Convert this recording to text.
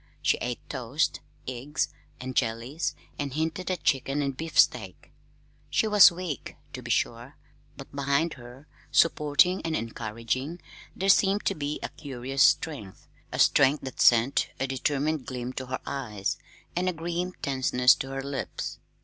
She ate toast, eggs, and jellies, and hinted at chicken and beefsteak. She was weak, to be sure, but behind her, supporting and encouraging, there seemed to be a curious strength a strength that sent a determined gleam to her eyes, and a grim tenseness to her lips.